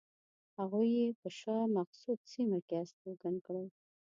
هغوی یې په شاه مقصود سیمه کې استوګن کړل.